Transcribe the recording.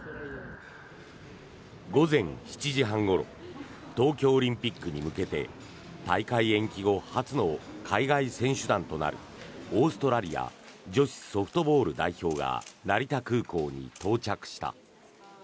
午前７時半ごろ東京オリンピックに向けて大会延期後初の海外選手団となるオーストラリア女子ソフトボール代表が成田空港に到着した。